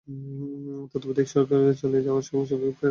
তত্ত্বাবধায়ক সরকার চলে যাওয়ার সঙ্গে সঙ্গে ফের দখলে চলে যায় জল্লারখাল।